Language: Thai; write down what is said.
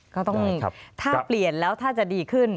ก็ต้องถ้าเปลี่ยนแล้วถ้าจะดีขึ้น